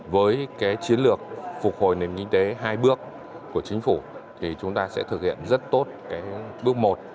với cái chiến lược phục hồi nền kinh tế hai bước của chính phủ thì chúng ta sẽ thực hiện rất tốt bước một